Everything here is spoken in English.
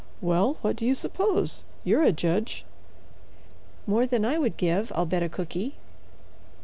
"Well, what do you suppose? You're a judge." "More than I would give, I'll bet a cookie."